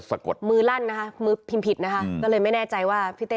สะกดมือลั่นนะคะมือพิมพ์ผิดนะคะก็เลยไม่แน่ใจว่าพี่เต้